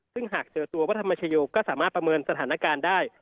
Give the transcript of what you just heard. ซึ่งหากเจอตัววัดธรรมชโยก็สามารถประเมินสถานการณ์ได้